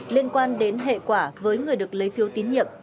liên quan đến hệ quả với người được lấy phiếu tín nhiệm